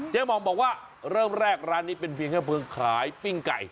หมองบอกว่าเริ่มแรกร้านนี้เป็นเพียงแค่เพลิงขายปิ้งไก่